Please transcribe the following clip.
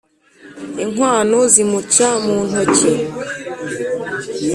inkwano zimuca mu ntoki.